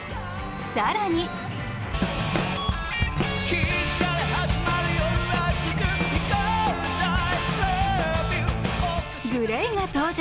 更にＧＬＡＹが登場。